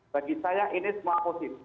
bagi saya ini semua positif